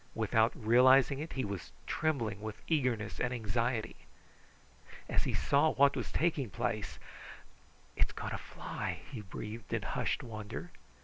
Without realizing it, he was trembling with eagerness and anxiety. As he saw what was taking place, "It's going to fly," he breathed in hushed wonder.